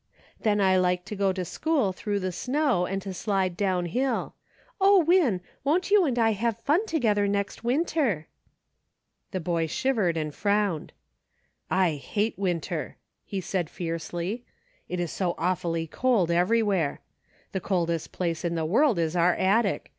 Then I like to go to school through the snow, and to slide down hill. O, Win ! won't you and I have fun together next winter ?" The boy shivered and frowned. " I hate winter," he said, fiercely. " It is so awfully cold everywhere. The coldest place in the world is our attic.